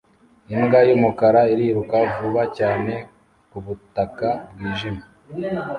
Imbwa yumukara iriruka vuba cyane kubutaka bwijimye